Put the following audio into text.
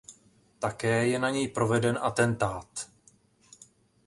Také je na něj proveden atentát.